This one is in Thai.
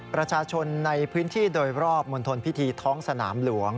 ประชาชนในพื้นที่โดยรอบมณฑลพิธีท้องสนามหลวง